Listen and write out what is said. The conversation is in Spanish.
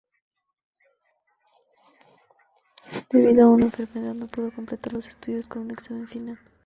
Debido a una enfermedad no pudo completar los estudios con un examen final.